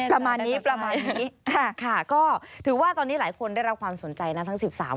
ประมาณนี้ค่ะก็ถือว่าตอนนี้หลายคนได้รับความสนใจนะ